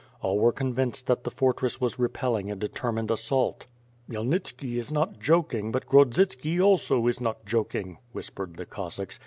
All were convinced that the fortress was repelling a determined assault. "Khmyelnitski is not joking, but Grodzitski also is not joking," whispered the Cossacks.